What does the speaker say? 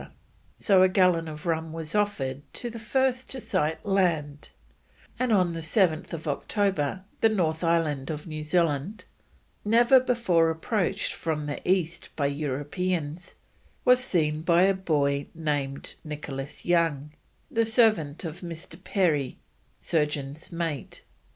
so a gallon of rum was offered to the first to sight land, and on 7th October the North Island of New Zealand, never before approached from the east by Europeans, was seen by a boy named Nicholas Young, the servant of Mr. Perry, surgeon's mate.